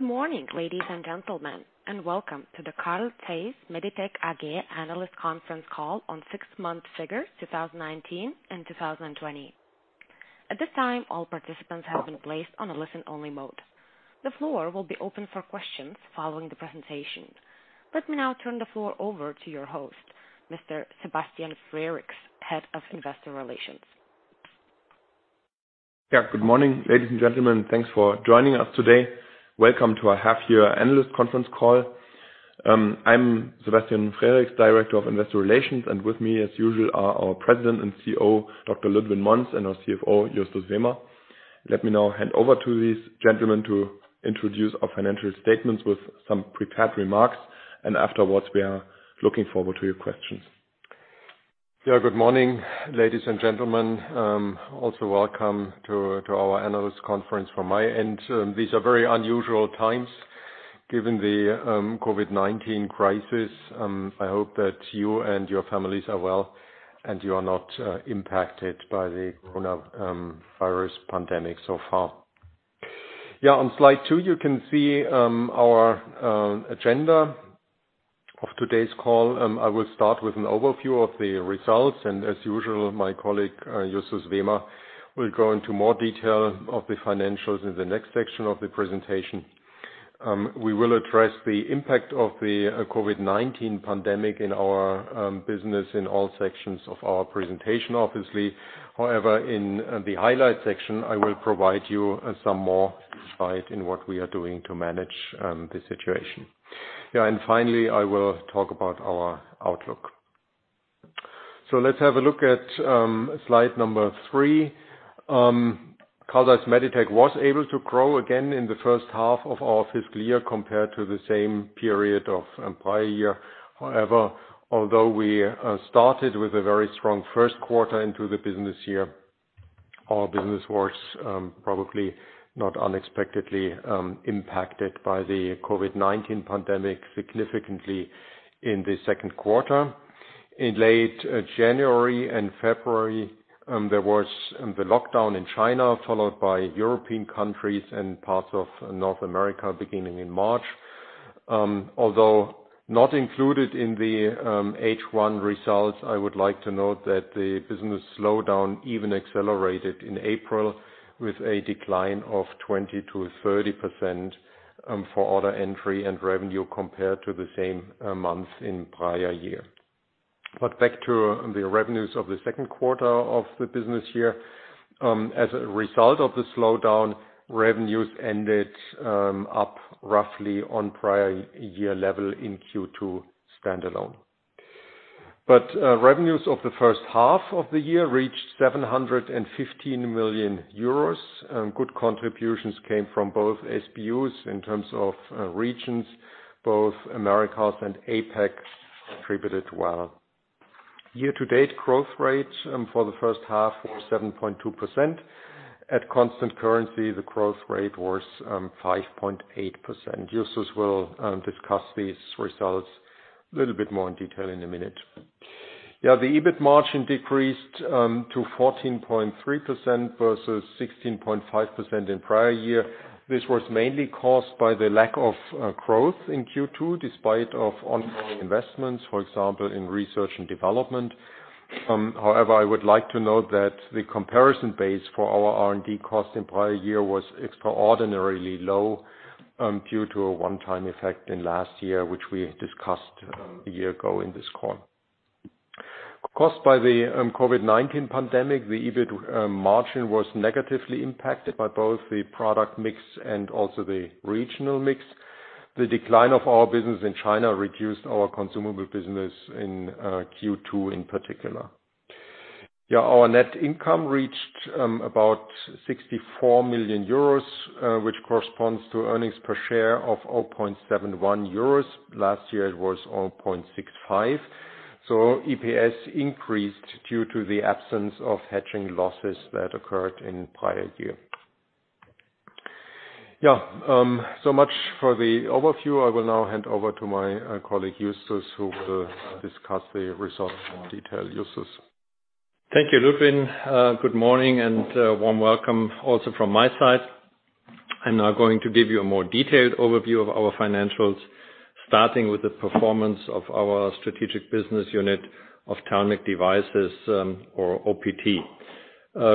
Good morning, ladies and gentlemen, and welcome to the Carl Zeiss Meditec AG Analyst Conference Call on sixth-month figures 2019 and 2020. At this time, all participants have been placed on a listen-only mode. The floor will be open for questions following the presentation. Let me now turn the floor over to your host, Mr. Sebastian Frericks, Head of Investor Relations. Yeah. Good morning, ladies and gentlemen. Thanks for joining us today. Welcome to our half-year analyst conference call. I'm Sebastian Frericks, Director of Investor Relations, and with me, as usual, are our President and CEO, Dr. Ludwin Monz, and our CFO, Justus Wehmer. Let me now hand over to these gentlemen to introduce our financial statements with some prepared remarks, and afterwards, we are looking forward to your questions. Yeah. Good morning, ladies and gentlemen. Welcome to our analyst conference. From my end, these are very unusual times given the COVID-19 crisis. I hope that you and your families are well and you are not impacted by the coronavirus pandemic so far. Yeah, on slide two, you can see our agenda of today's call. I will start with an overview of the results, and as usual, my colleague, Justus Wehmer, will go into more detail of the financials in the next section of the presentation. We will address the impact of the COVID-19 pandemic in our business in all sections of our presentation, obviously. However, in the highlight section, I will provide you some more insight in what we are doing to manage the situation. Yeah, and finally, I will talk about our outlook. Let's have a look at slide number three. Carl Zeiss Meditec was able to grow again in the first half of our fiscal year compared to the same period of prior year. However, although we started with a very strong first quarter into the business year, our business was probably not unexpectedly impacted by the COVID-19 pandemic significantly in the second quarter. In late January and February, there was the lockdown in China, followed by European countries and parts of North America beginning in March. Although not included in the H1 results, I would like to note that the business slowdown even accelerated in April with a decline of 20%-30% for order entry and revenue compared to the same months in prior year. Back to the revenues of the second quarter of the business year. As a result of the slowdown, revenues ended up roughly on prior year level in Q2 standalone. Revenues of the first half of the year reached 715 million euros. Good contributions came from both SBUs in terms of regions. Both Americas and APAC contributed well. Year-to-date growth rates for the first half were 7.2%. At constant currency, the growth rate was 5.8%. Justus will discuss these results little bit more in detail in a minute. The EBIT margin decreased to 14.3% versus 16.5% in prior year. This was mainly caused by the lack of growth in Q2, despite of ongoing investments, for example, in research and development. However, I would like to note that the comparison base for our R&D cost in prior year was extraordinarily low, due to a one-time effect in last year, which we discussed a year ago in this call. Caused by the COVID-19 pandemic, the EBIT margin was negatively impacted by both the product mix and also the regional mix. The decline of our business in China reduced our consumable business in Q2 in particular. Yeah. Our net income reached about €64 million, which corresponds to earnings per share of €0.71. Last year, it was 0.65. EPS increased due to the absence of hedging losses that occurred in prior year. Yeah. Much for the overview. I will now hand over to my colleague, Justus, who will discuss the results in detail. Justus. Thank you, Ludwin. Good morning. Warm welcome also from my side. I'm now going to give you a more detailed overview of our financials, starting with the performance of our strategic business unit, Ophthalmic Devices or OPT.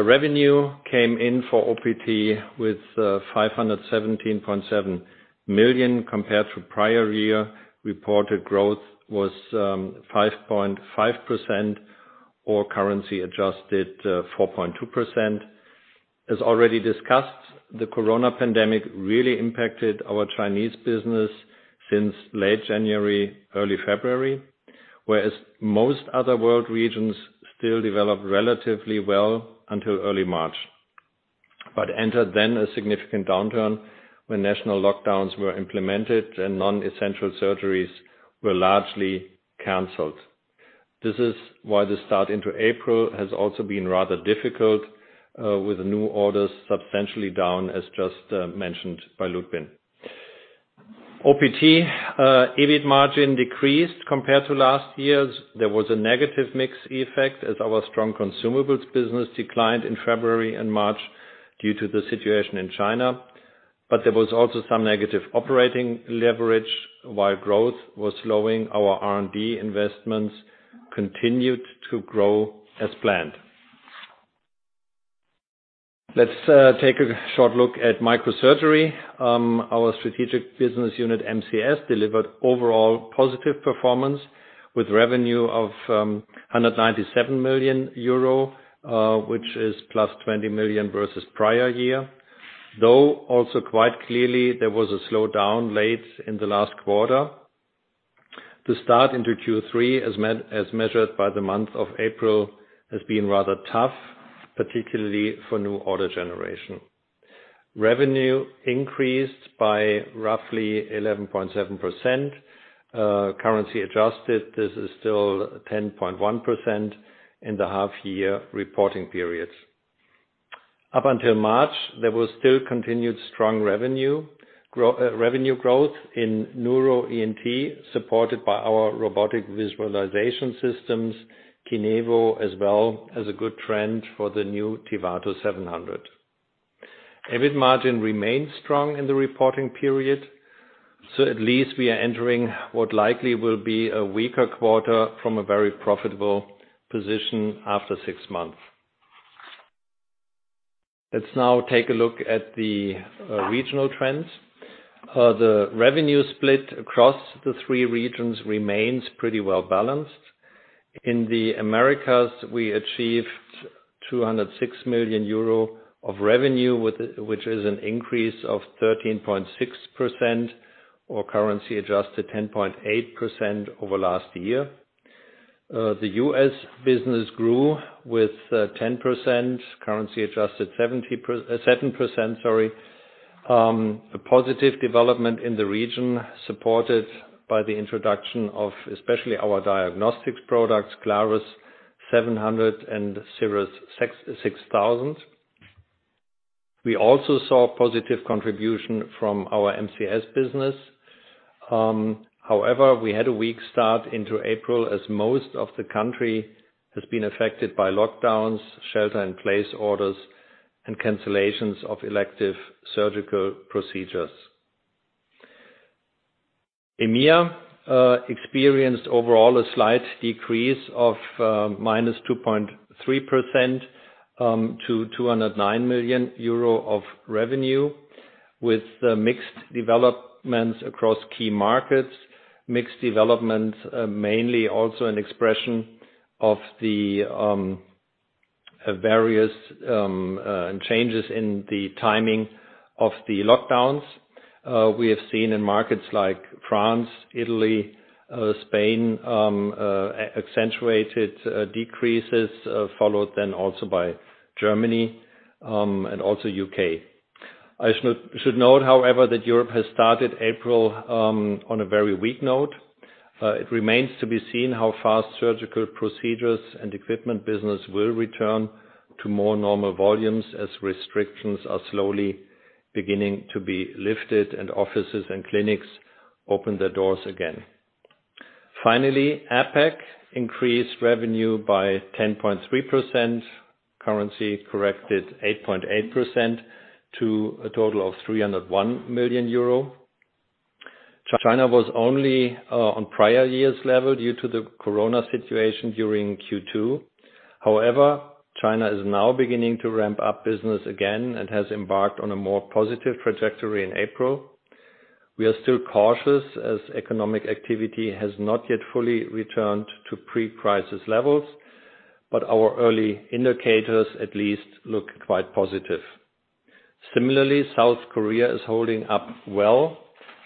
Revenue came in for OPT with 517.7 million compared to prior year. Reported growth was 5.5% or currency adjusted 4.2%. As already discussed, the COVID-19 pandemic really impacted our Chinese business since late January, early February, whereas most other world regions still developed relatively well until early March, but entered then a significant downturn when national lockdowns were implemented and non-essential surgeries were largely canceled. This is why the start into April has also been rather difficult, with new orders substantially down, as just mentioned by Ludwin. OPT EBIT margin decreased compared to last year's. There was a negative mix effect as our strong consumables business declined in February and March due to the situation in China. There was also some negative operating leverage while growth was slowing, our R&D investments continued to grow as planned. Let's take a short look at microsurgery. Our strategic business unit, MCS, delivered overall positive performance with revenue of 197 million euro, which is +20 million versus prior year. Also quite clearly, there was a slowdown late in the last quarter. The start into Q3, as measured by the month of April, has been rather tough, particularly for new order generation. Revenue increased by roughly 11.7%. Currency adjusted, this is still 10.1% in the half year reporting periods. Up until March, there was still continued strong revenue growth in neuro ENT, supported by our robotic visualization systems, KINEVO, as well as a good trend for the new TIVATO 700. EBIT margin remained strong in the reporting period. At least we are entering what likely will be a weaker quarter from a very profitable position after six months. Let's now take a look at the regional trends. The revenue split across the three regions remains pretty well-balanced. In the Americas, we achieved 206 million euro of revenue, which is an increase of 13.6%, or currency adjusted, 10.8% over last year. The U.S. business grew with 10%, currency adjusted, 7%. A positive development in the region, supported by the introduction of especially our diagnostics products, CLARUS 700 and CIRRUS 6000. We also saw positive contribution from our MCS business. However, we had a weak start into April as most of the country has been affected by lockdowns, shelter in place orders, and cancellations of elective surgical procedures. EMEA experienced overall a slight decrease of -2.3%, to 209 million euro of revenue, with mixed developments across key markets. Mixed developments, mainly also an expression of the various changes in the timing of the lockdowns. We have seen in markets like France, Italy, Spain, accentuated decreases, followed then also by Germany, and also U.K. I should note, however, that Europe has started April on a very weak note. It remains to be seen how fast surgical procedures and equipment business will return to more normal volumes as restrictions are slowly beginning to be lifted and offices and clinics open their doors again. Finally, APAC increased revenue by 10.3%, currency corrected 8.8%, to a total of 301 million euro. China was only on prior year's level due to the corona situation during Q2. However, China is now beginning to ramp up business again and has embarked on a more positive trajectory in April. We are still cautious as economic activity has not yet fully returned to pre-crisis levels, but our early indicators at least look quite positive. Similarly, South Korea is holding up well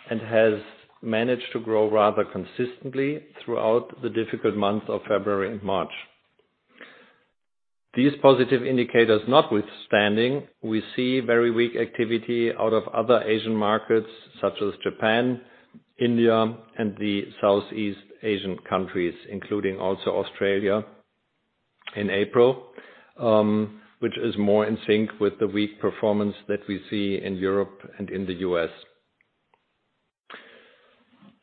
and has managed to grow rather consistently throughout the difficult months of February and March. These positive indicators notwithstanding, we see very weak activity out of other Asian markets such as Japan, India, and the Southeast Asian countries, including also Australia in April which is more in sync with the weak performance that we see in Europe and in the U.S.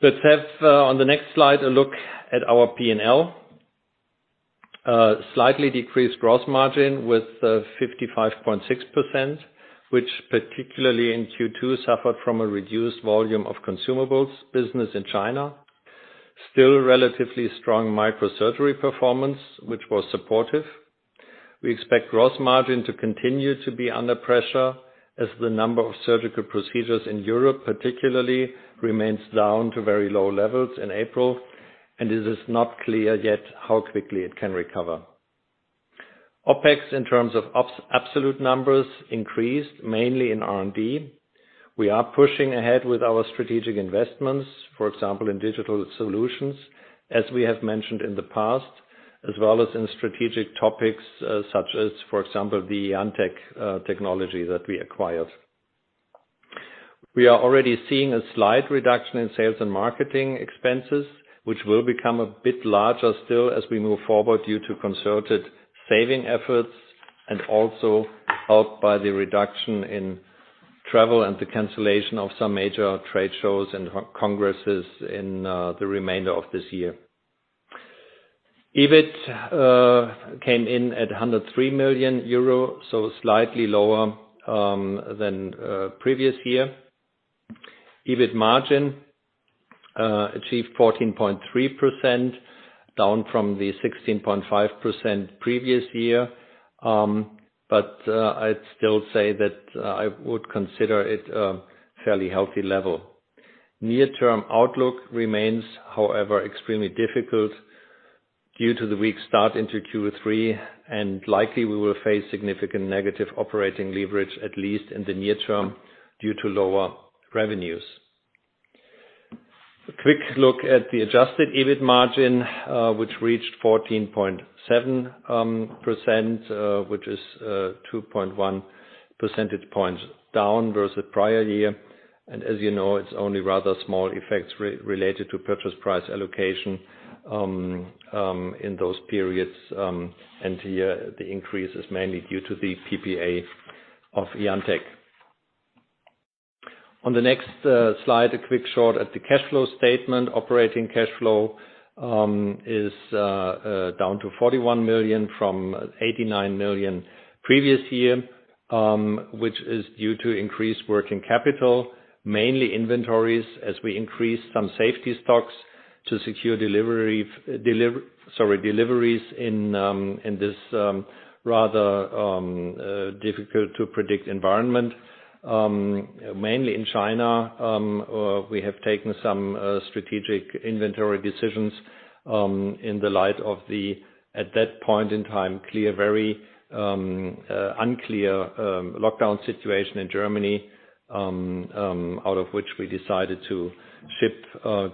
Let's have, on the next slide, a look at our P&L. Slightly decreased gross margin with 55.6%, which particularly in Q2 suffered from a reduced volume of consumables business in China. Still relatively strong microsurgery performance, which was supportive. We expect gross margin to continue to be under pressure as the number of surgical procedures in Europe particularly remains down to very low levels in April, and it is not clear yet how quickly it can recover. OpEx in terms of absolute numbers increased mainly in R&D. We are pushing ahead with our strategic investments, for example, in digital solutions, as we have mentioned in the past, as well as in strategic topics such as, for example, the IanTECH technology that we acquired. We are already seeing a slight reduction in sales and marketing expenses, which will become a bit larger still as we move forward due to concerted saving efforts. Also helped by the reduction in travel and the cancellation of some major trade shows and congresses in the remainder of this year. EBIT came in at 103 million euro, slightly lower than previous year. EBIT margin achieved 14.3%, down from the 16.5% previous year. I'd still say that I would consider it a fairly healthy level. Near term outlook remains, however, extremely difficult due to the weak start into Q3. Likely we will face significant negative operating leverage, at least in the near term, due to lower revenues. A quick look at the adjusted EBIT margin, which reached 14.7%, which is 2.1 percentage points down versus prior year. As you know, it's only rather small effects related to purchase price allocation in those periods. The increase is mainly due to the PPA of IanTECH. On the next slide, a quick shot at the cash flow statement. Operating cash flow is down to 41 million from 89 million previous year, which is due to increased working capital, mainly inventories, as we increase some safety stocks to secure deliveries in this rather difficult-to-predict environment. Mainly in China, we have taken some strategic inventory decisions in the light of the, at that point in time, very unclear lockdown situation in Germany, out of which we decided to ship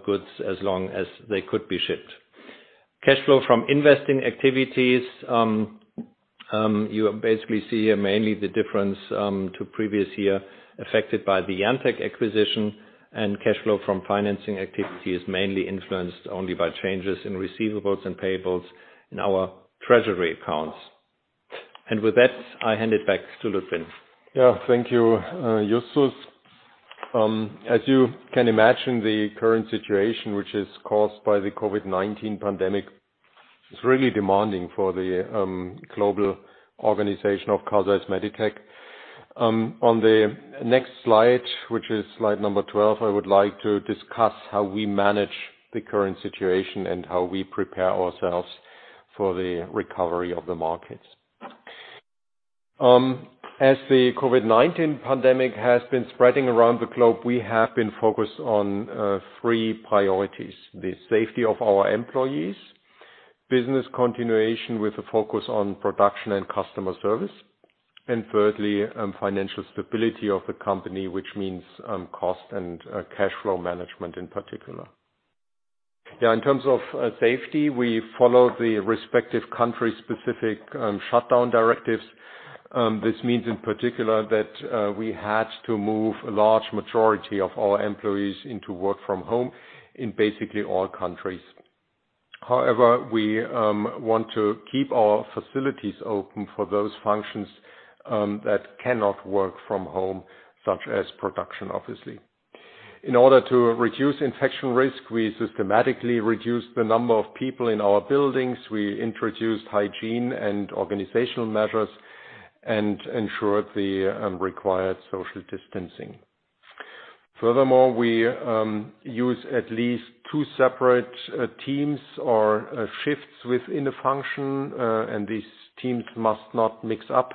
goods as long as they could be shipped. Cash flow from investing activities. You basically see here mainly the difference to previous year affected by the IanTECH acquisition, cash flow from financing activity is mainly influenced only by changes in receivables and payables in our treasury accounts. With that, I hand it back to Ludwin. Yeah. Thank you, Justus. As you can imagine, the current situation, which is caused by the COVID-19 pandemic, is really demanding for the global organization of Carl Zeiss Meditec. On the next slide, which is slide number 12, I would like to discuss how we manage the current situation and how we prepare ourselves for the recovery of the markets. As the COVID-19 pandemic has been spreading around the globe, we have been focused on three priorities: the safety of our employees, business continuation with a focus on production and customer service, and thirdly, financial stability of the company, which means cost and cash flow management in particular. Yeah, in terms of safety, we follow the respective country-specific shutdown directives. This means, in particular, that we had to move a large majority of our employees into work from home in basically all countries. We want to keep our facilities open for those functions that cannot work from home, such as production, obviously. In order to reduce infection risk, we systematically reduced the number of people in our buildings. We introduced hygiene and organizational measures and ensured the required social distancing. We use at least two separate teams or shifts within a function, and these teams must not mix up.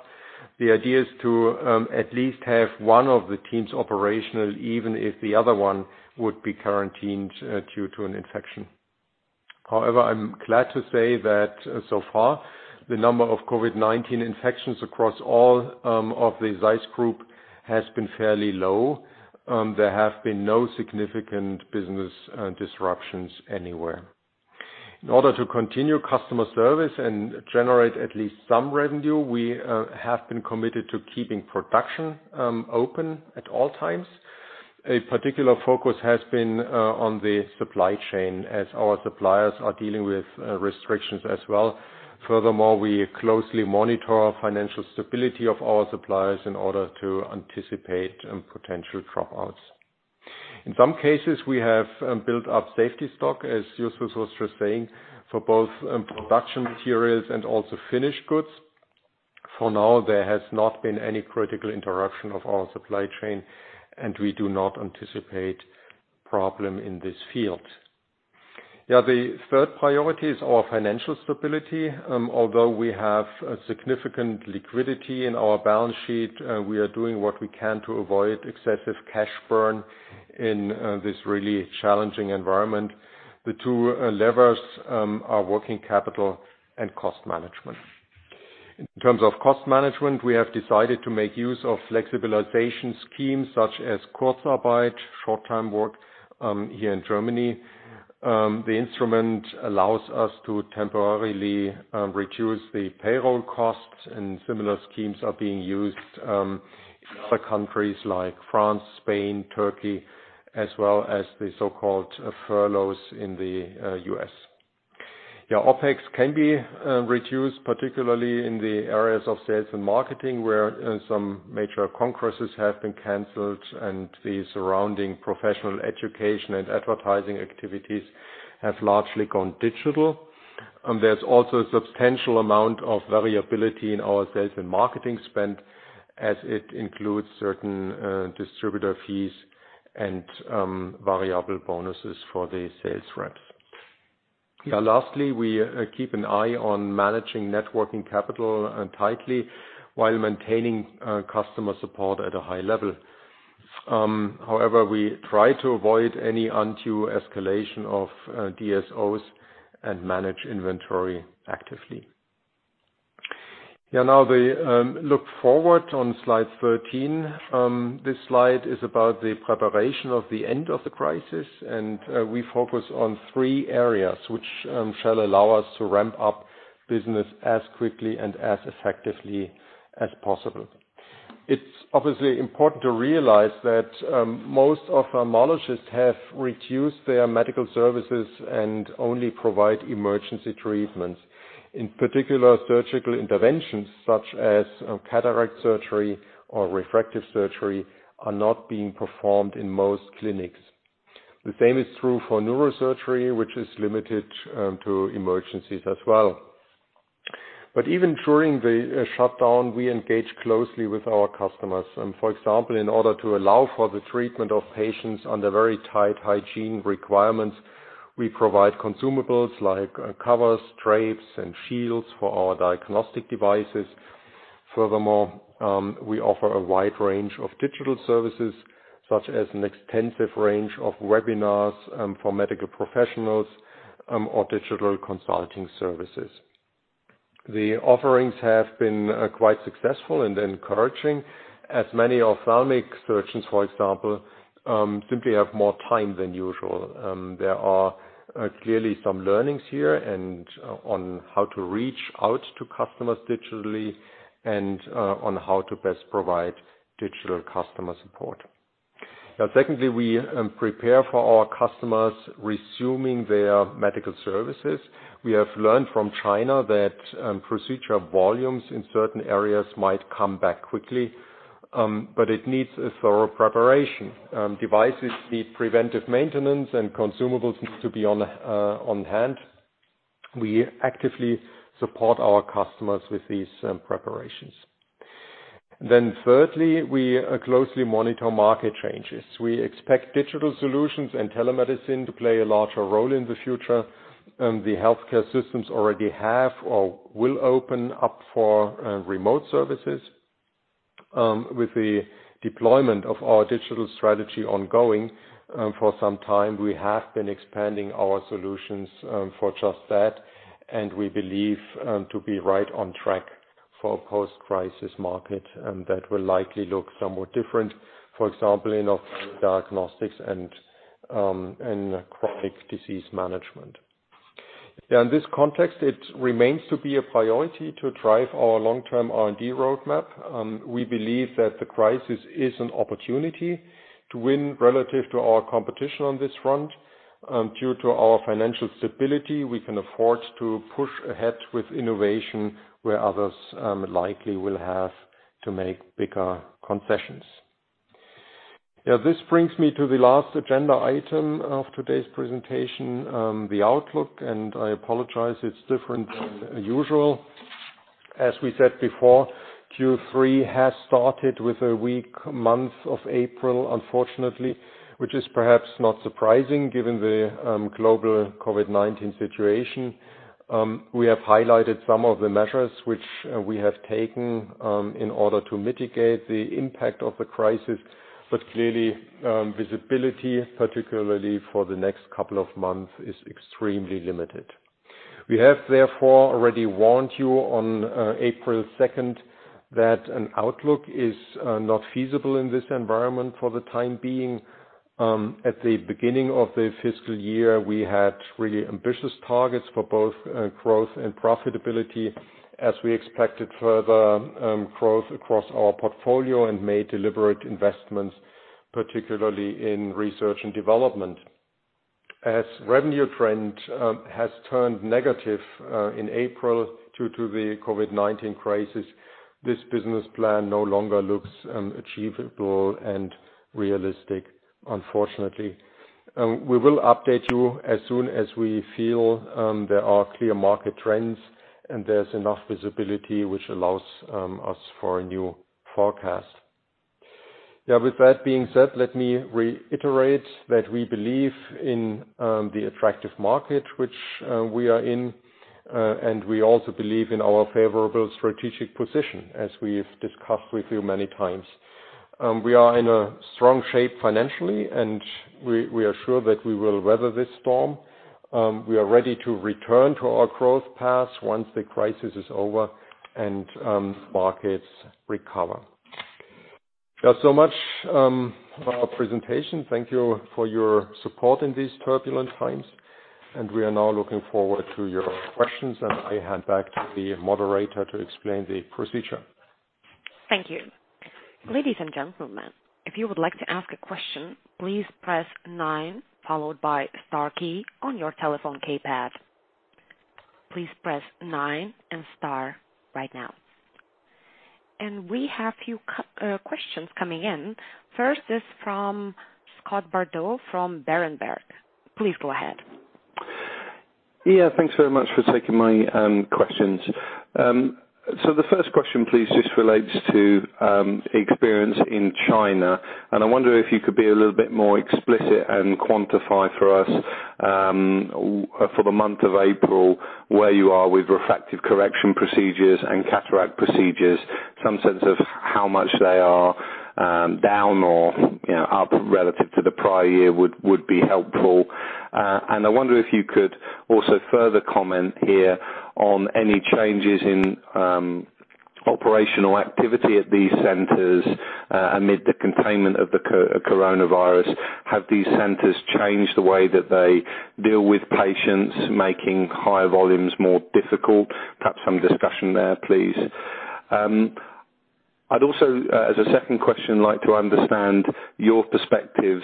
The idea is to at least have one of the teams operational, even if the other one would be quarantined due to an infection. I'm glad to say that so far, the number of COVID-19 infections across all of the Zeiss Group has been fairly low. There have been no significant business disruptions anywhere. In order to continue customer service and generate at least some revenue, we have been committed to keeping production open at all times. A particular focus has been on the supply chain as our suppliers are dealing with restrictions as well. Furthermore, we closely monitor financial stability of our suppliers in order to anticipate potential dropouts. In some cases, we have built up safety stock, as Justus was just saying, for both production materials and also finished goods. For now, there has not been any critical interruption of our supply chain, and we do not anticipate problem in this field. Yeah, the third priority is our financial stability. Although we have a significant liquidity in our balance sheet, we are doing what we can to avoid excessive cash burn in this really challenging environment. The two levers are working capital and cost management. In terms of cost management, we have decided to make use of flexibilization schemes such as Kurzarbeit, short-term work here in Germany. The instrument allows us to temporarily reduce the payroll costs, and similar schemes are being used in other countries like France, Spain, Turkey, as well as the so-called furloughs in the U.S. OpEx can be reduced, particularly in the areas of sales and marketing, where some major congresses have been canceled and the surrounding professional education and advertising activities have largely gone digital. There's also a substantial amount of variability in our sales and marketing spend, as it includes certain distributor fees and variable bonuses for the sales reps. Lastly, we keep an eye on managing net working capital tightly while maintaining customer support at a high level. However, we try to avoid any undue escalation of DSOs and manage inventory actively. Now, the look forward on slide 13. This slide is about the preparation of the end of the crisis, we focus on three areas which shall allow us to ramp up business as quickly and as effectively as possible. It's obviously important to realize that most ophthalmologists have reduced their medical services and only provide emergency treatments. In particular, surgical interventions such as cataract surgery or refractive surgery are not being performed in most clinics. The same is true for neurosurgery, which is limited to emergencies as well. Even during the shutdown, we engage closely with our customers. For example, in order to allow for the treatment of patients under very tight hygiene requirements, we provide consumables like covers, drapes, and shields for our diagnostic devices. Furthermore, we offer a wide range of digital services, such as an extensive range of webinars for medical professionals or digital consulting services. The offerings have been quite successful and encouraging, as many ophthalmic surgeons, for example, simply have more time than usual. There are clearly some learnings here on how to reach out to customers digitally and on how to best provide digital customer support. Secondly, we prepare for our customers resuming their medical services. We have learned from China that procedure volumes in certain areas might come back quickly, but it needs a thorough preparation. Devices need preventive maintenance and consumables need to be on hand. We actively support our customers with these preparations. Thirdly, we closely monitor market changes. We expect digital solutions and telemedicine to play a larger role in the future. The healthcare systems already have or will open up for remote services. With the deployment of our digital strategy ongoing for some time, we have been expanding our solutions for just that, and we believe to be right on track for a post-crisis market that will likely look somewhat different. For example, in diagnostics and chronic disease management. In this context, it remains to be a priority to drive our long-term R&D roadmap. We believe that the crisis is an opportunity to win relative to our competition on this front. Due to our financial stability, we can afford to push ahead with innovation where others likely will have to make bigger concessions. This brings me to the last agenda item of today's presentation, the outlook. I apologize, it's different than usual. As we said before, Q3 has started with a weak month of April, unfortunately, which is perhaps not surprising given the global COVID-19 situation. We have highlighted some of the measures which we have taken in order to mitigate the impact of the crisis. Clearly, visibility, particularly for the next couple of months, is extremely limited. We have, therefore, already warned you on April 2nd that an outlook is not feasible in this environment for the time being. At the beginning of the fiscal year, we had really ambitious targets for both growth and profitability as we expected further growth across our portfolio and made deliberate investments, particularly in research and development. Revenue trend has turned negative in April due to the COVID-19 crisis, this business plan no longer looks achievable and realistic, unfortunately. We will update you as soon as we feel there are clear market trends and there's enough visibility which allows us for a new forecast. With that being said, let me reiterate that we believe in the attractive market which we are in, and we also believe in our favorable strategic position, as we have discussed with you many times. We are in a strong shape financially, and we are sure that we will weather this storm. We are ready to return to our growth path once the crisis is over and markets recover. That's so much for our presentation. Thank you for your support in these turbulent times, and we are now looking forward to your questions, and I hand back to the moderator to explain the procedure. Thank you. Ladies and gentlemen, if you would like to ask a question, please press nine followed by the star key on your telephone keypad. Please press nine and star right now. We have a few questions coming in. First is from Scott Bardo from Berenberg. Please go ahead. Thanks very much for taking my questions. The first question, please, just relates to experience in China. I wonder if you could be a little bit more explicit and quantify for us for the month of April, where you are with refractive correction procedures and cataract procedures. Some sense of how much they are down or up relative to the prior year would be helpful. I wonder if you could also further comment here on any changes in operational activity at these centers amid the containment of the coronavirus. Have these centers changed the way that they deal with patients, making higher volumes more difficult? Perhaps some discussion there, please. I'd also, as a second question, like to understand your perspectives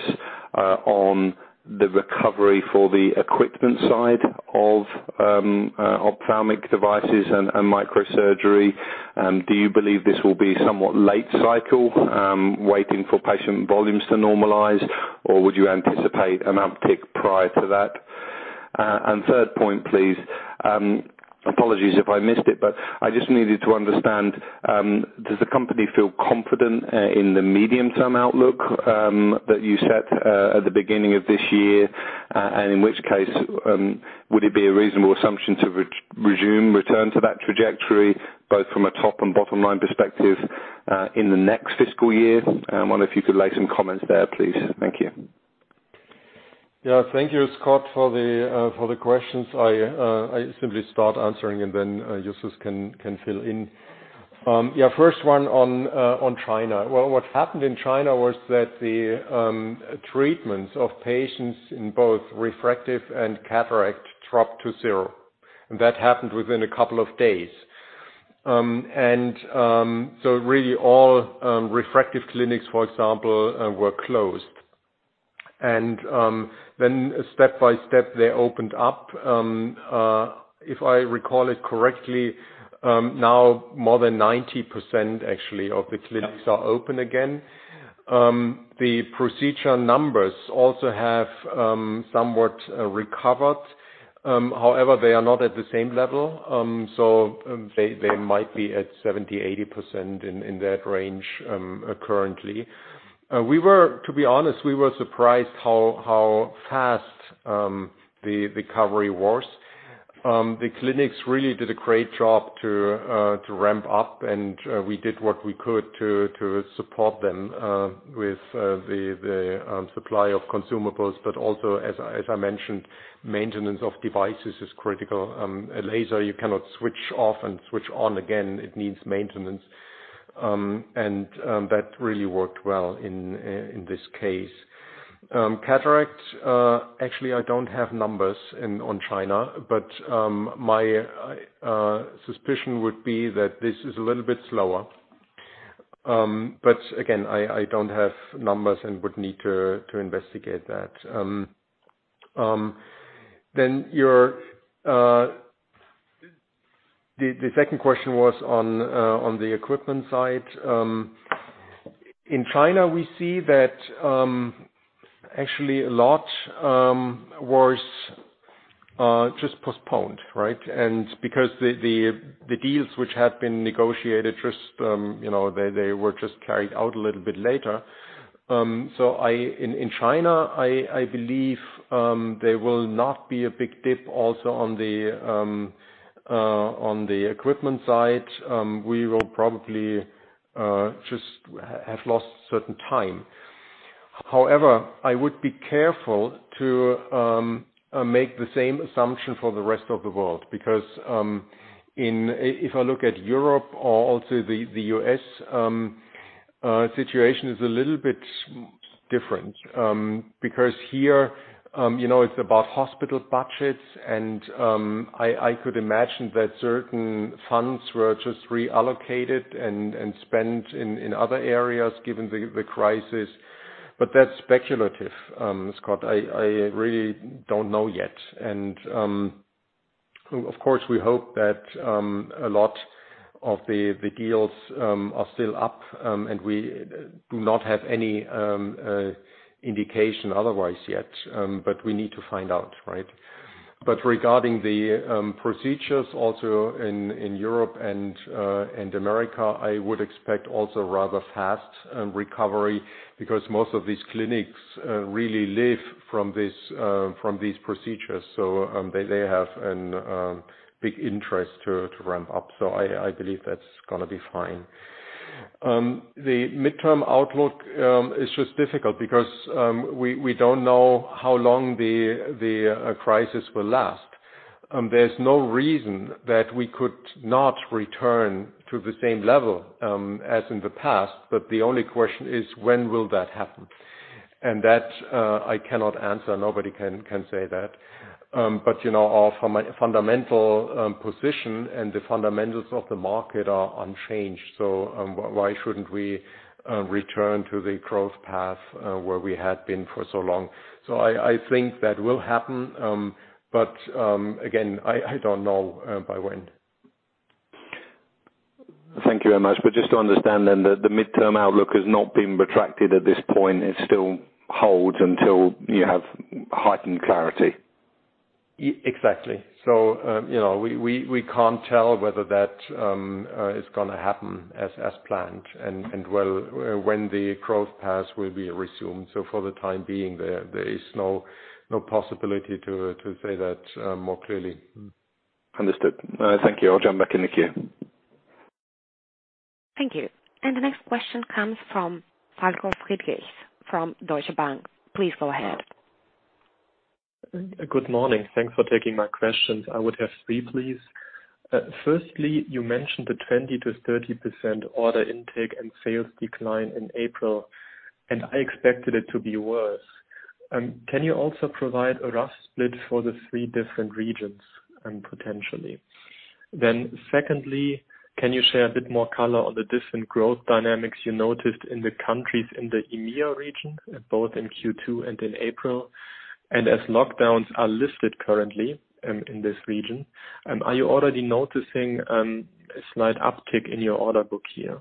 on the recovery for the equipment side of ophthalmic devices and microsurgery. Do you believe this will be somewhat late cycle, waiting for patient volumes to normalize? Would you anticipate an uptick prior to that? Third point, please. Apologies if I missed it, but I just needed to understand, does the company feel confident in the medium-term outlook that you set at the beginning of this year? In which case, would it be a reasonable assumption to resume return to that trajectory, both from a top and bottom-line perspective, in the next fiscal year? I wonder if you could lay some comments there, please. Thank you. Yeah. Thank you, Scott, for the questions. I simply start answering and then Justus can fill in. Yeah, first one on China. Well, what happened in China was that the treatments of patients in both refractive and cataract dropped to zero. That happened within a couple of days. Really all refractive clinics, for example, were closed. Step by step, they opened up. If I recall it correctly, now more than 90% actually of the clinics are open again. The procedure numbers also have somewhat recovered. They are not at the same level. They might be at 70%-80% in that range currently. To be honest, we were surprised how fast the recovery was. The clinics really did a great job to ramp up, and we did what we could to support them with the supply of consumables. Also, as I mentioned, maintenance of devices is critical. A laser you cannot switch off and switch on again. It needs maintenance. That really worked well in this case. Cataracts, actually, I don't have numbers on China, but my suspicion would be that this is a little bit slower. Again, I don't have numbers and would need to investigate that. The second question was on the equipment side. In China, we see that actually a lot was just postponed, right? Because the deals which had been negotiated, they were just carried out a little bit later. In China, I believe there will not be a big dip also on the equipment side. We will probably just have lost certain time. However, I would be careful to make the same assumption for the rest of the world, because if I look at Europe or also the U.S., situation is a little bit different. Here, it's about hospital budgets and I could imagine that certain funds were just reallocated and spent in other areas given the crisis. That's speculative, Scott, I really don't know yet. Of course, we hope that a lot of the deals are still up, and we do not have any indication otherwise yet. We need to find out. Regarding the procedures also in Europe and America, I would expect also rather fast recovery because most of these clinics really live from these procedures, so they have a big interest to ramp up. I believe that's going to be fine. The midterm outlook is just difficult because we don't know how long the crisis will last. There's no reason that we could not return to the same level as in the past, but the only question is when will that happen? That I cannot answer. Nobody can say that. Our fundamental position and the fundamentals of the market are unchanged. Why shouldn't we return to the growth path where we had been for so long? I think that will happen. Again, I don't know by when. Thank you very much. Just to understand then, the midterm outlook has not been retracted at this point. It still holds until you have heightened clarity. Exactly. We can't tell whether that is going to happen as planned and when the growth path will be resumed. For the time being, there is no possibility to say that more clearly. Understood. Thank you. I'll jump back in the queue. Thank you. The next question comes from Falko Friedrichs from Deutsche Bank. Please go ahead. Good morning. Thanks for taking my questions. I would have three, please. Firstly, you mentioned the 20%-30% order intake and sales decline in April, and I expected it to be worse. Can you also provide a rough split for the three different regions, potentially? Secondly, can you share a bit more color on the different growth dynamics you noticed in the countries in the EMEA region, both in Q2 and in April? As lockdowns are lifted currently in this region, are you already noticing a slight uptick in your order book here?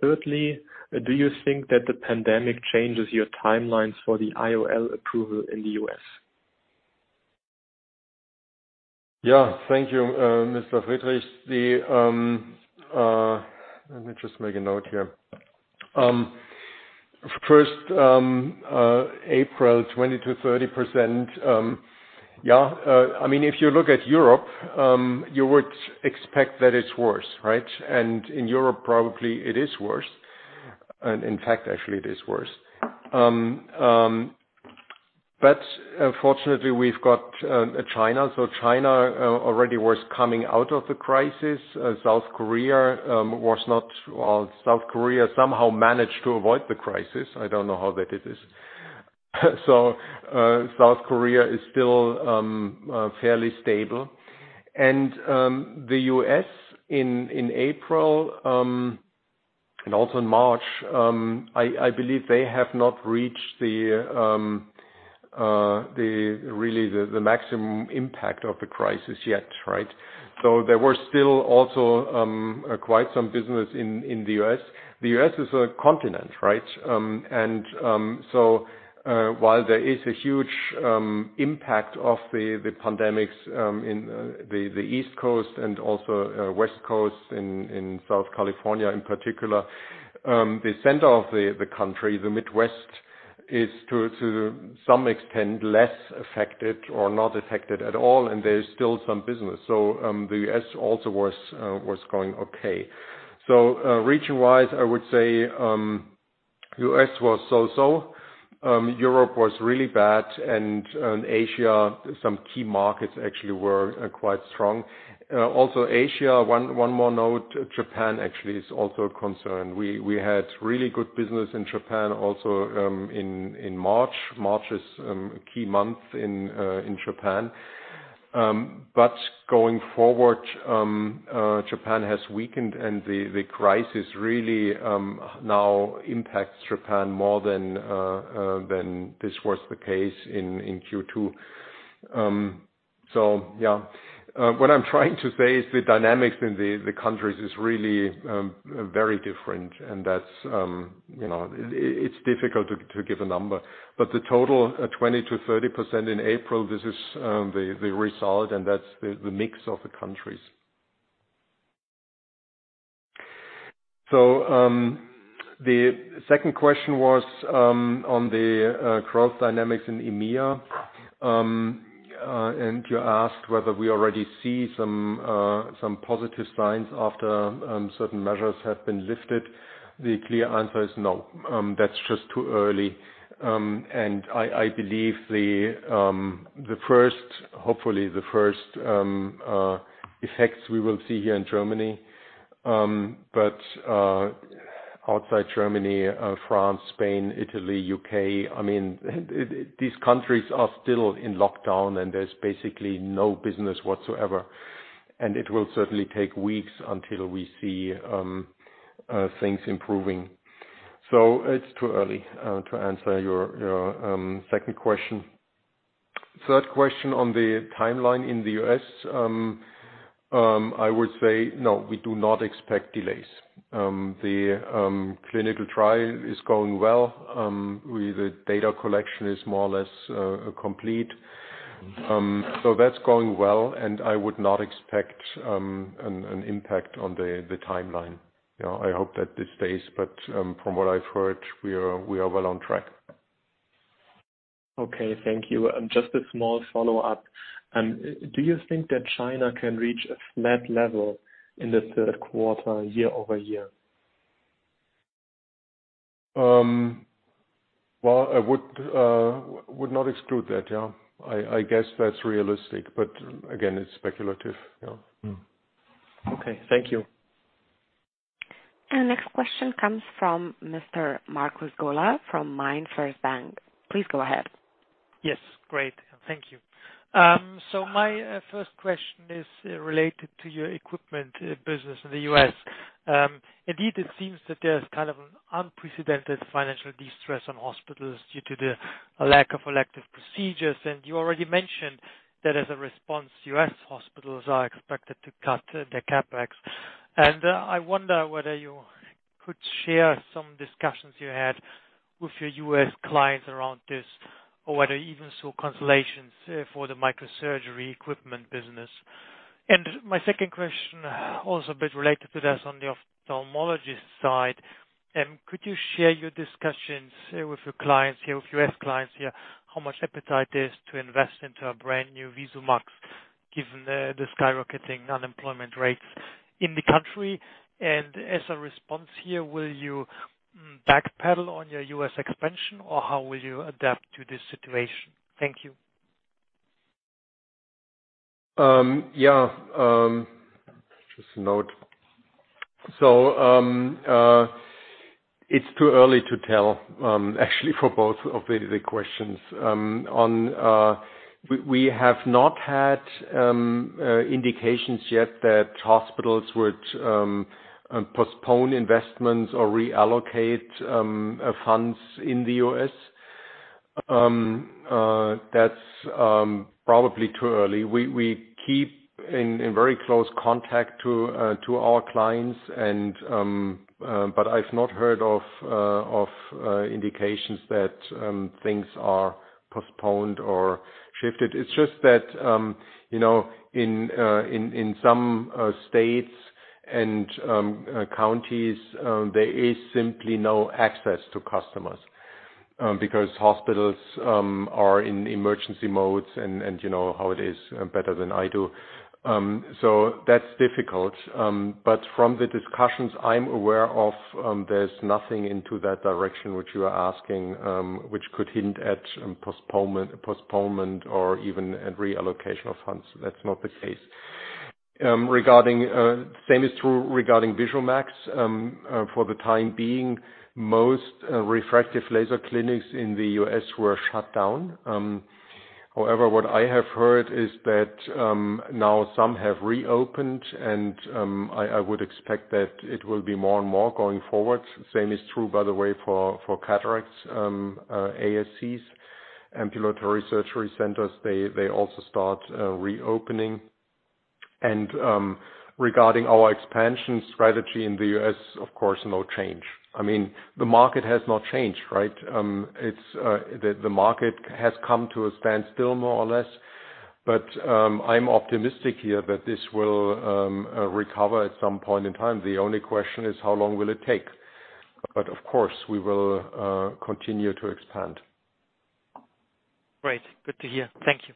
Thirdly, do you think that the pandemic changes your timelines for the IOL approval in the U.S.? Thank you, Mr. Friedrichs. Let me just make a note here. First, April 20%-30%. If you look at Europe, you would expect that it's worse, right? In Europe, probably it is worse. In fact, actually it is worse. Fortunately, we've got China. China already was coming out of the crisis. South Korea somehow managed to avoid the crisis. I don't know how that it is. South Korea is still fairly stable. The U.S. in April, and also in March, I believe they have not reached really the maximum impact of the crisis yet, right? There was still also quite some business in the U.S. The U.S. is a continent, right? While there is a huge impact of the pandemics in the East Coast and also West Coast in Southern California in particular. The center of the country, the Midwest is to some extent less affected or not affected at all, and there is still some business. The U.S. also was going okay. Region-wise, I would say U.S. was so-so. Europe was really bad, and Asia, some key markets actually were quite strong. Asia, one more note, Japan actually is also a concern. We had really good business in Japan also in March. March is a key month in Japan. Going forward, Japan has weakened, and the crisis really now impacts Japan more than this was the case in Q2. Yeah. What I'm trying to say is the dynamics in the countries is really very different, and it's difficult to give a number. The total 20%-30% in April, this is the result, and that's the mix of the countries. The second question was on the growth dynamics in EMEA. You asked whether we already see some positive signs after certain measures have been lifted. The clear answer is no. That's just too early. I believe, hopefully the first effects we will see here in Germany. Outside Germany, France, Spain, Italy, U.K., these countries are still in lockdown and there's basically no business whatsoever, and it will certainly take weeks until we see things improving. It's too early to answer your second question. Third question on the timeline in the U.S. I would say, no, we do not expect delays. The clinical trial is going well. The data collection is more or less complete. That's going well, and I would not expect an impact on the timeline. I hope that this stays, but from what I've heard, we are well on track. Okay. Thank you. Just a small follow-up. Do you think that China can reach a flat level in the third quarter, year-over-year? Well, I would not exclude that, yeah. I guess that's realistic, but again, it's speculative. Yeah. Okay. Thank you. Next question comes from Mr. Markus Gola from MainFirst Bank. Please go ahead. Yes. Great. Thank you. My first question is related to your equipment business in the U.S. Indeed, it seems that there's kind of an unprecedented financial distress on hospitals due to the lack of elective procedures. You already mentioned that as a response, U.S. hospitals are expected to cut their CapEx. I wonder whether you could share some discussions you had with your U.S. clients around this, or whether you even saw cancellations for the microsurgery equipment business. My second question, also a bit related to this on the ophthalmologist side. Could you share your discussions with your clients, your U.S. clients here, how much appetite is to invest into a brand new VisuMax, given the skyrocketing unemployment rates in the country? As a response here, will you backpedal on your U.S. expansion, or how will you adapt to this situation? Thank you. Yeah. Just a note. It's too early to tell, actually, for both of the questions. We have not had indications yet that hospitals would postpone investments or reallocate funds in the U.S. That's probably too early. We keep in very close contact to our clients, but I've not heard of indications that things are postponed or shifted. It's just that in some states and counties, there is simply no access to customers because hospitals are in emergency modes, and you know how it is better than I do. That's difficult. From the discussions I'm aware of, there's nothing into that direction which you are asking, which could hint at postponement or even a reallocation of funds. That's not the case. Same is true regarding VisuMax. For the time being, most refractive laser clinics in the U.S. were shut down. What I have heard is that now some have reopened, and I would expect that it will be more and more going forward. Same is true, by the way, for cataracts, ASCs, ambulatory surgery centers. They also start reopening. Regarding our expansion strategy in the U.S., of course, no change. The market has not changed, right? The market has come to a standstill, more or less. I'm optimistic here that this will recover at some point in time. The only question is how long will it take? Of course, we will continue to expand. Great. Good to hear. Thank you.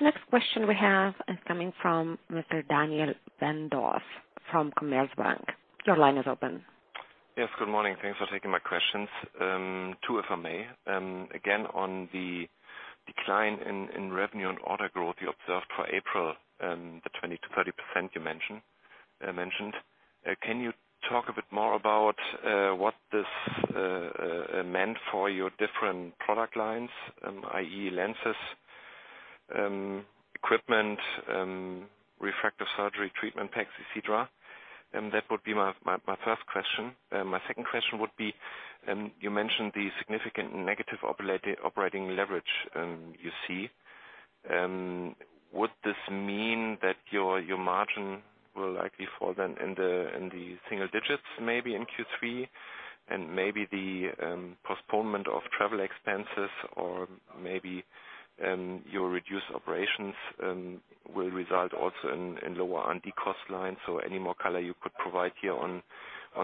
Next question we have is coming from Mr. Daniel Wendorff from Commerzbank. Your line is open. Yes, good morning. Thanks for taking my questions. Two, if I may. Again, on the decline in revenue and order growth you observed for April, the 20%-30% you mentioned. Can you talk a bit more about what this meant for your different product lines, i.e. lenses, equipment, refractive surgery treatment packs, et cetera? That would be my first question. My second question would be, you mentioned the significant negative operating leverage you see. Would this mean that your margin will likely fall then in the single digits, maybe in Q3? Maybe the postponement of travel expenses or maybe your reduced operations will result also in lower on the cost line. Any more color you could provide here on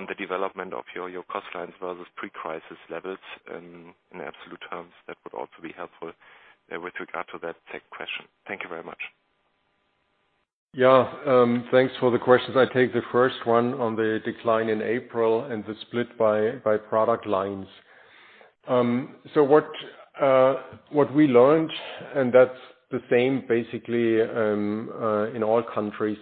the development of your cost lines versus pre-crisis levels in absolute terms, that would also be helpful with regard to that second question. Thank you very much. Yeah. Thanks for the questions. I take the first one on the decline in April and the split by product lines. What we learned, and that's the same basically in all countries,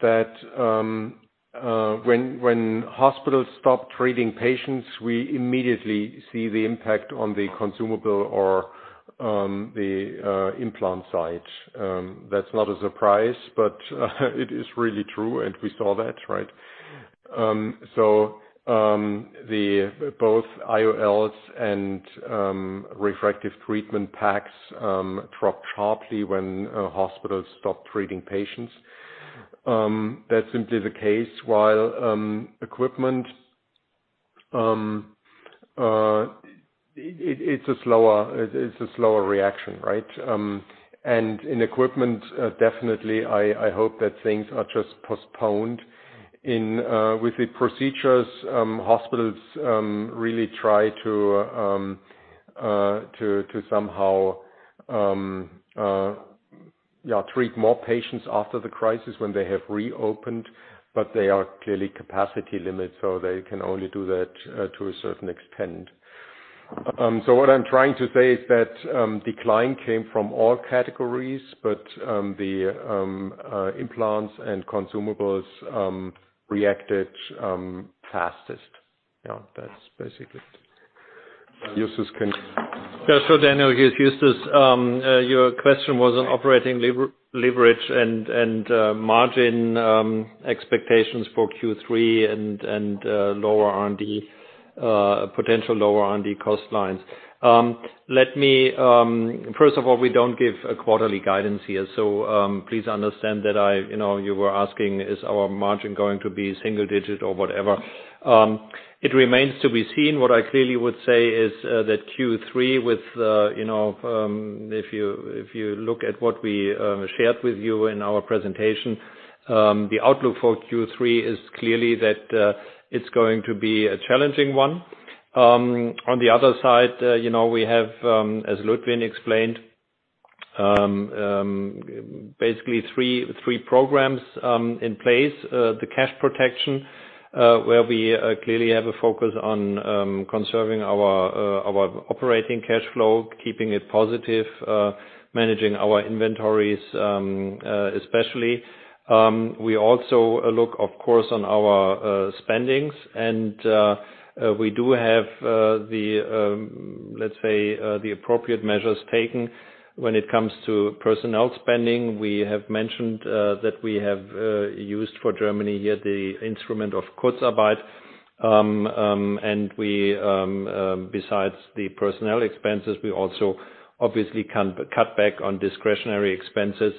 that when hospitals stop treating patients, we immediately see the impact on the consumable or the implant side. That's not a surprise, but it is really true, and we saw that, right? Both IOLs and refractive treatment packs dropped sharply when hospitals stopped treating patients. That's simply the case. While equipment, it's a slower reaction, right? In equipment, definitely, I hope that things are just postponed. With the procedures, hospitals really try to somehow treat more patients after the crisis when they have reopened, but they are clearly capacity limit, so they can only do that to a certain extent. What I'm trying to say is that decline came from all categories, but the implants and consumables reacted fastest. Yeah, that's basically it. Justus can. Yeah. Daniel, here's Justus. Your question was on operating leverage and margin expectations for Q3 and potential lower R&D cost lines. First of all, we don't give a quarterly guidance here. Please understand that you were asking is our margin going to be single digit or whatever. It remains to be seen. What I clearly would say is that Q3, if you look at what we shared with you in our presentation, the outlook for Q3 is clearly that it's going to be a challenging one. On the other side, we have, as Ludwin explained, basically three programs in place. The cash protection, where we clearly have a focus on conserving our operating cash flow, keeping it positive, managing our inventories, especially. We also look, of course, on our spendings. We do have the, let's say, the appropriate measures taken when it comes to personnel spending. We have mentioned that we have used for Germany here the instrument of Kurzarbeit. Besides the personnel expenses, we also obviously can cut back on discretionary expenses.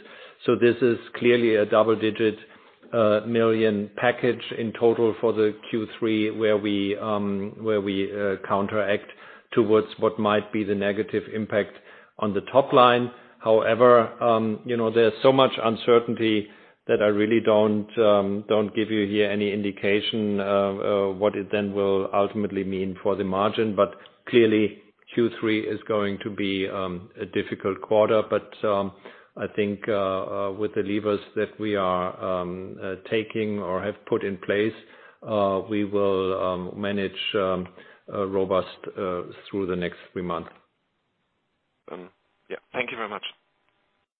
This is clearly a EUR double-digit million package in total for the Q3 where we counteract towards what might be the negative impact on the top line. There's so much uncertainty that I really don't give you here any indication of what it then will ultimately mean for the margin. Clearly, Q3 is going to be a difficult quarter. I think, with the levers that we are taking or have put in place, we will manage robust through the next three months. Thank you very much.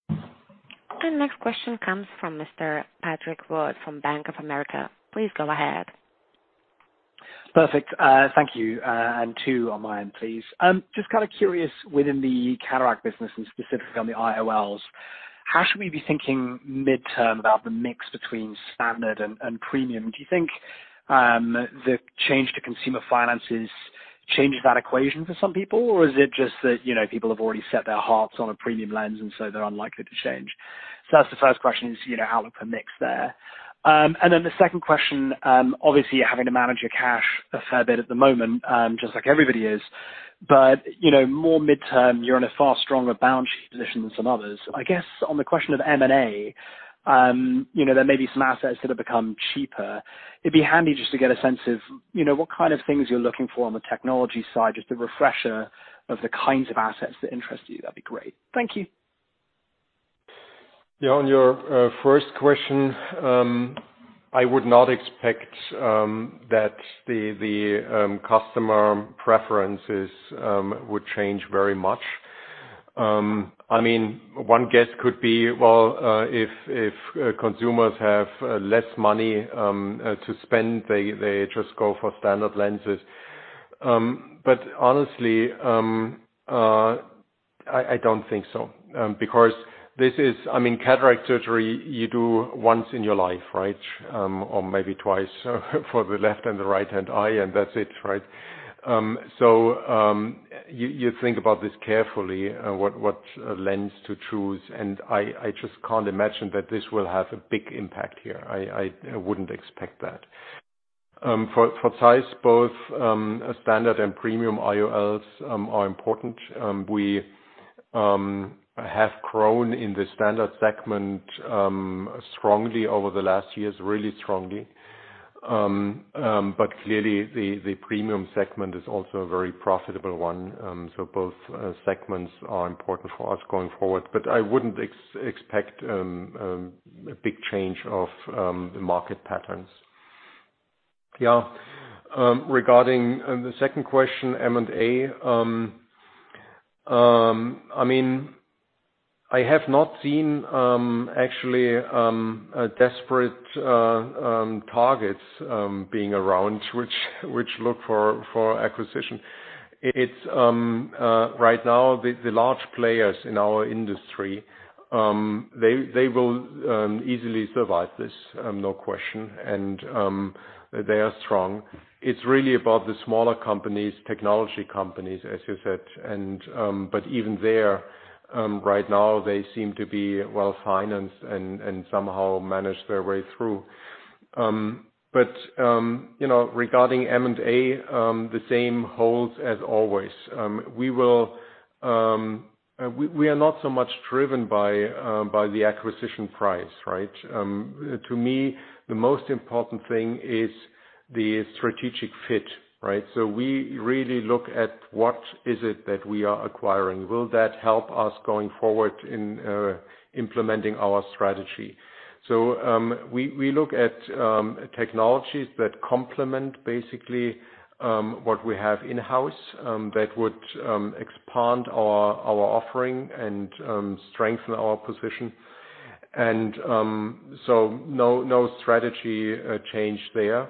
The next question comes from Mr. Patrick Wood from Bank of America. Please go ahead. Perfect. Thank you. Two on my end, please. Just kind of curious within the cataract business and specifically on the IOLs, how should we be thinking midterm about the mix between standard and premium? Do you think the change to consumer finances changes that equation for some people, or is it just that people have already set their hearts on a premium lens and so they're unlikely to change? That's the first question is, outlook for mix there. The second question, obviously you're having to manage your cash a fair bit at the moment, just like everybody is. More midterm, you're in a far stronger balance sheet position than some others. I guess on the question of M&A, there may be some assets that have become cheaper. It'd be handy just to get a sense of what kind of things you're looking for on the technology side, just a refresher of the kinds of assets that interest you. That'd be great. Thank you. Yeah, on your first question, I would not expect that the customer preferences would change very much. One guess could be, well, if consumers have less money to spend, they just go for standard lenses. Honestly, I don't think so. Because cataract surgery you do once in your life, right? Maybe twice for the left and the right-hand eye and that's it, right? You think about this carefully, what lens to choose, and I just can't imagine that this will have a big impact here. I wouldn't expect that. For size, both standard and premium IOLs are important. We have grown in the standard segment strongly over the last years, really strongly. Clearly the premium segment is also a very profitable one. Both segments are important for us going forward, but I wouldn't expect a big change of the market patterns. Yeah. Regarding the second question, M&A. I have not seen actually desperate targets being around which look for acquisition. Right now, the large players in our industry, they will easily survive this, no question. They are strong. It's really about the smaller companies, technology companies, as you said. Even there, right now they seem to be well-financed and somehow manage their way through. Regarding M&A, the same holds as always. We are not so much driven by the acquisition price, right? To me, the most important thing is the strategic fit, right? We really look at what is it that we are acquiring. Will that help us going forward in implementing our strategy? We look at technologies that complement basically what we have in-house that would expand our offering and strengthen our position. No strategy change there.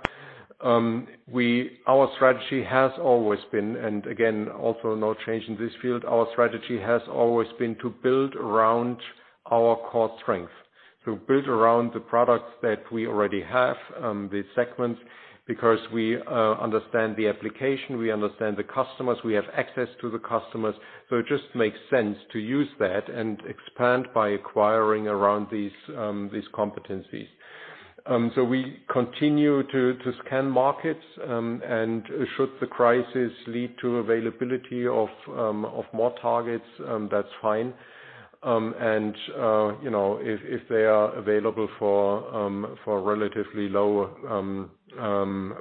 Our strategy has always been, and again, also no change in this field. Our strategy has always been to build around our core strength, to build around the products that we already have, the segments, because we understand the application, we understand the customers, we have access to the customers. It just makes sense to use that and expand by acquiring around these competencies. We continue to scan markets, and should the crisis lead to availability of more targets, that's fine. If they are available for relatively lower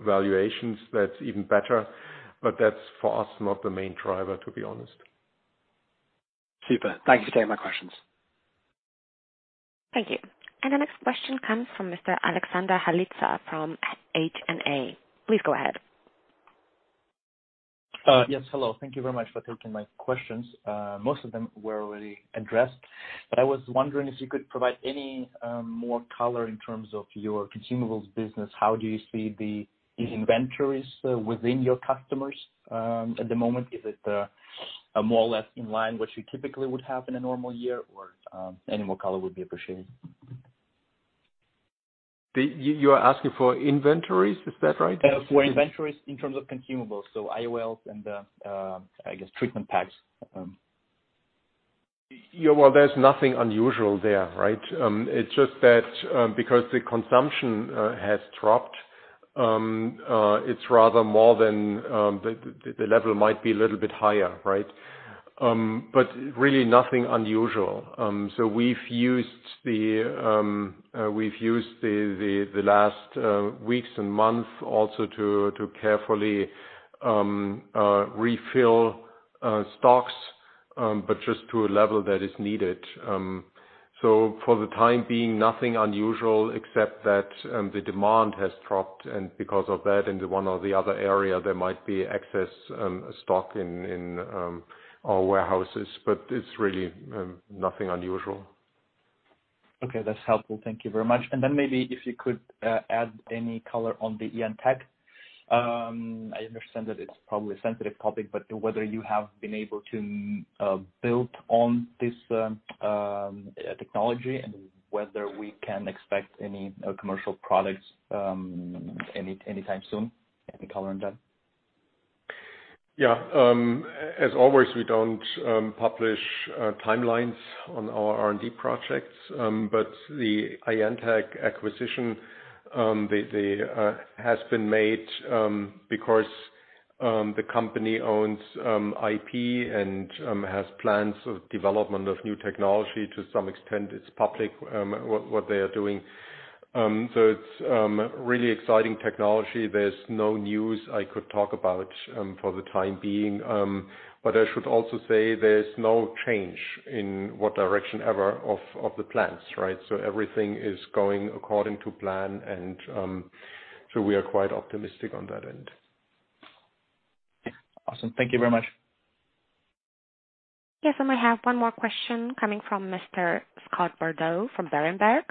valuations, that's even better. That's for us, not the main driver, to be honest. Super. Thank you for taking my questions. Thank you. The next question comes from Mr. Alexander Galitsa from H&A. Please go ahead. Yes, hello. Thank you very much for taking my questions. Most of them were already addressed. I was wondering if you could provide any more color in terms of your consumables business. How do you see these inventories within your customers, at the moment? Is it more or less in line what you typically would have in a normal year, or any more color would be appreciated. You are asking for inventories, is that right? For inventories in terms of consumables, so IOLs and, I guess, treatment packs. Yeah, well, there's nothing unusual there, right? It's just that, because the consumption has dropped, the level might be a little bit higher. Really nothing unusual. We've used the last weeks and months also to carefully refill stocks, but just to a level that is needed. For the time being, nothing unusual except that the demand has dropped, and because of that, in the one or the other area, there might be excess stock in our warehouses. It's really nothing unusual. Okay, that's helpful. Thank you very much. Maybe if you could add any color on the IanTECH. I understand that it's probably a sensitive topic, whether you have been able to build on this technology and whether we can expect any commercial products anytime soon. Any color on that? As always, we don't publish timelines on our R&D projects. The IanTECH acquisition has been made because the company owns IP and has plans of development of new technology. To some extent, it's public, what they are doing. It's really exciting technology. There's no news I could talk about for the time being. I should also say there's no change in what direction ever of the plans, right? Everything is going according to plan, we are quite optimistic on that end. Awesome. Thank you very much. Yes, we have one more question coming from Mr. Scott Bardo from Berenberg.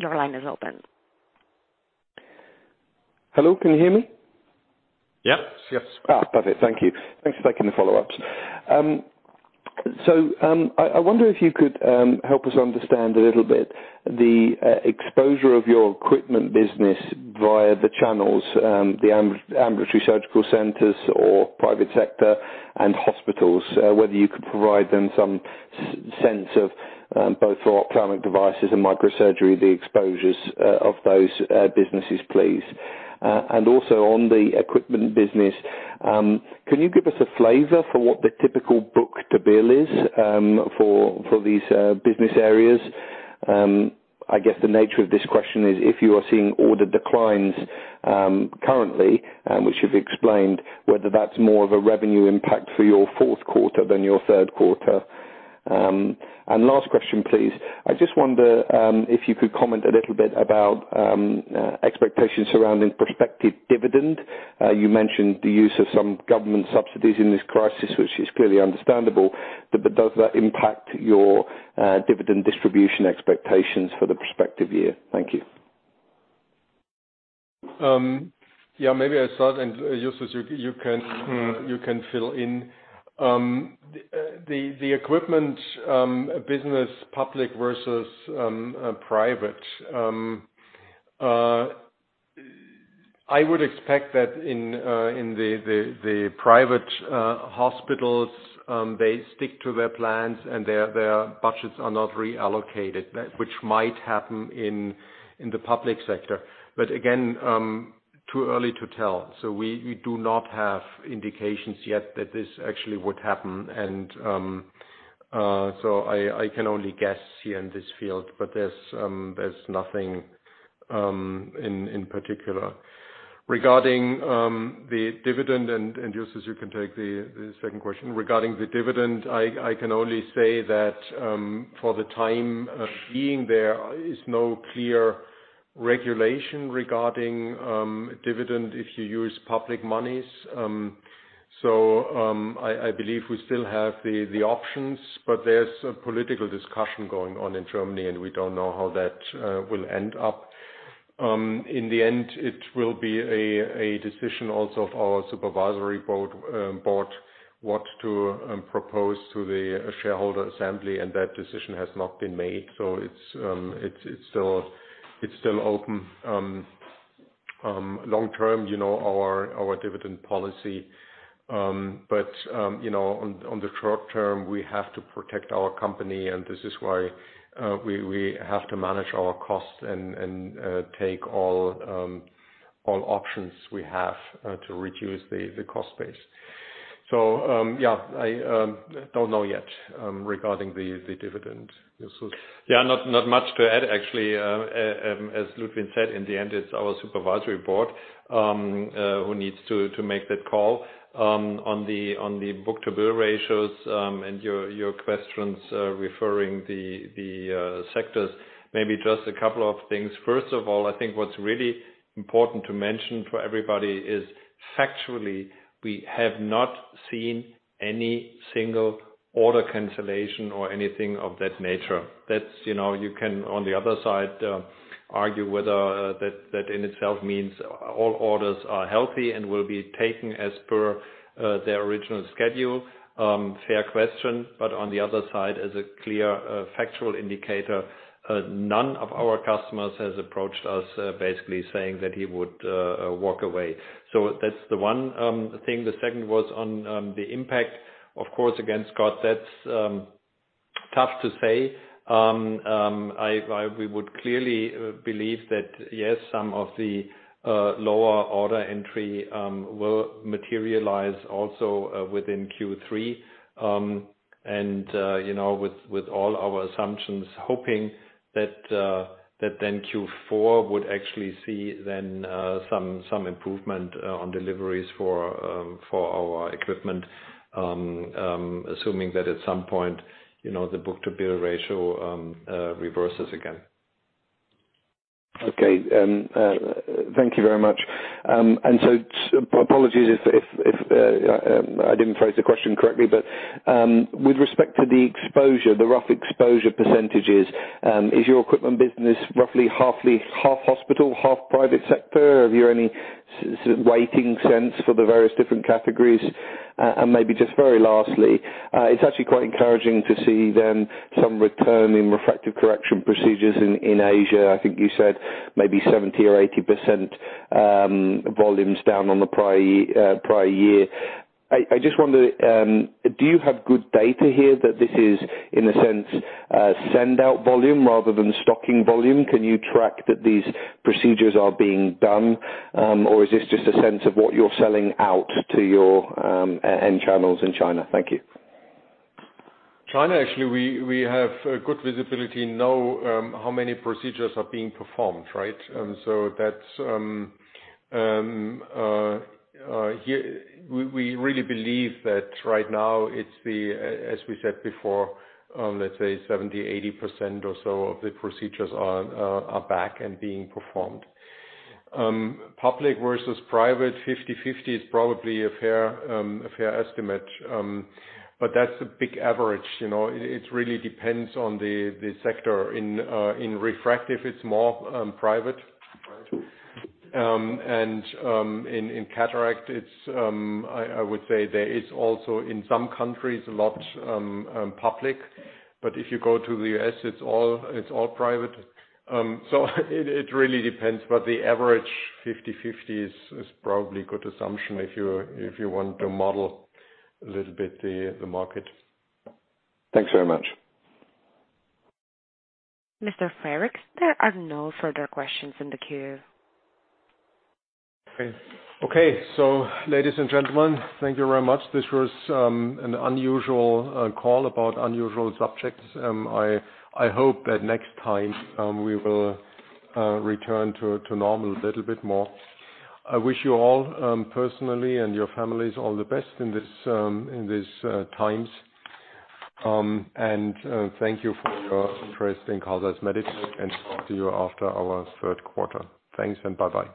Your line is open. Hello, can you hear me? Yes. Perfect. Thank you. Thanks for taking the follow-ups. I wonder if you could help us understand a little bit the exposure of your equipment business via the channels, the ambulatory surgical centers or private sector and hospitals. Whether you could provide then some sense of both ophthalmic devices and microsurgery, the exposures of those businesses, please. Also on the equipment business, can you give us a flavor for what the typical book-to-bill is for these business areas? I guess the nature of this question is if you are seeing order declines currently, which you've explained, whether that's more of a revenue impact for your fourth quarter than your third quarter. Last question, please. I just wonder if you could comment a little bit about expectations surrounding prospective dividend. You mentioned the use of some government subsidies in this crisis, which is clearly understandable, but does that impact your dividend distribution expectations for the prospective year? Thank you. Yeah, maybe I'll start, and Justus, you can fill in. The equipment business, public versus private. I would expect that in the private hospitals, they stick to their plans and their budgets are not reallocated, which might happen in the public sector. Again, too early to tell. We do not have indications yet that this actually would happen. I can only guess here in this field, but there's nothing in particular. Regarding the dividend, Justus, you can take the second question. Regarding the dividend, I can only say that for the time being, there is no clear regulation regarding dividend if you use public monies. I believe we still have the options, but there's a political discussion going on in Germany, and we don't know how that will end up. In the end, it will be a decision also of our supervisory board, what to propose to the shareholder assembly, and that decision has not been made. It's still open. Long term, our dividend policy. On the short term, we have to protect our company, and this is why we have to manage our costs and take all options we have to reduce the cost base. Yeah, I don't know yet regarding the dividend. Justus. Yeah, not much to add, actually. As Ludwin said, in the end, it's our supervisory board who needs to make that call. On the book-to-bill ratios and your questions referring the sectors, maybe just a couple of things. First of all, I think what's really important to mention for everybody is factually, we have not seen any single order cancellation or anything of that nature. You can, on the other side, argue whether that in itself means all orders are healthy and will be taken as per their original schedule. Fair question, on the other side, as a clear factual indicator, none of our customers has approached us basically saying that he would walk away. That's the one thing. The second was on the impact, of course, again, Scott, that's tough to say. We would clearly believe that, yes, some of the lower order entry will materialize also within Q3. With all our assumptions, hoping that then Q4 would actually see then some improvement on deliveries for our equipment, assuming that at some point, the book-to-bill ratio reverses again. Okay. Thank you very much. Apologies if I didn't phrase the question correctly, but with respect to the exposure, the rough exposure percentages, is your equipment business roughly half hospital, half private sector? Have you any waiting sense for the various different categories? Maybe just very lastly, it's actually quite encouraging to see then some return in refractive correction procedures in Asia. I think you said maybe 70% or 80% volumes down on the prior year. I just wonder, do you have good data here that this is, in a sense, send out volume rather than stocking volume? Can you track that these procedures are being done? Is this just a sense of what you're selling out to your end channels in China? Thank you. China, actually, we have good visibility know how many procedures are being performed, right? We really believe that right now it's the, as we said before, let's say 70, 80% or so of the procedures are back and being performed. Public versus private, 50/50 is probably a fair estimate. That's a big average. It really depends on the sector. In refractive, it's more private. In cataract, I would say there is also, in some countries, a lot public, but if you go to the U.S., it's all private. It really depends. The average 50/50 is probably a good assumption if you want to model a little bit the market. Thanks very much. Mr. Frericks, there are no further questions in the queue. Okay. Ladies and gentlemen, thank you very much. This was an unusual call about unusual subjects. I hope that next time we will return to normal a little bit more. I wish you all, personally and your families, all the best in these times. Thank you for your interest in Carl Zeiss Meditec, and talk to you after our third quarter. Thanks and bye-bye.